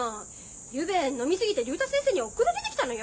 ゆうべ飲み過ぎて竜太先生に送られてきたのよ？